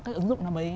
cái ứng dụng nó mới